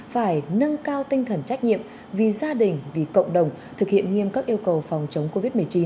phải nâng cao tinh thần trách nhiệm vì gia đình vì cộng đồng thực hiện nghiêm các yêu cầu phòng chống covid một mươi chín